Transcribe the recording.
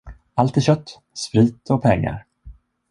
Allt är kött, sprit och pengar.